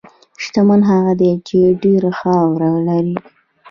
شتمن هغه دی چې ډېره خاوره لري.